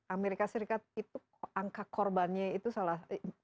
amerika serikat itu angka korbannya itu salah